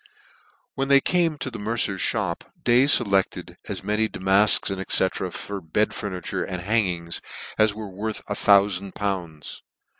When they came to the mercer's mop, Day felected as many damafks, &c. for bed furniture and hangings, as were worth a thoufand pounds.